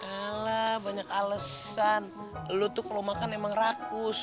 alah banyak alesan lu tuh kalau makan emang rakus